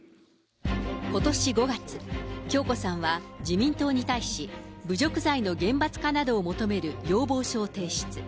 ことし５月、響子さんは自民党に対し、侮辱罪の厳罰化などを求める要望書を提出。